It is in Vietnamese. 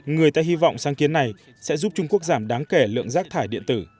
người ta hy vọng sáng kiến này sẽ giúp trung quốc giảm đáng kể lượng rác thải điện tử